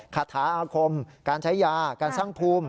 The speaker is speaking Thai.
คาถาอาคมการใช้ยาการสร้างภูมิ